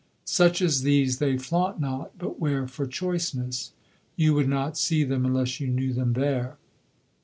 Such as these they flaunt not, but wear for choiceness. You would not see them unless you knew them there.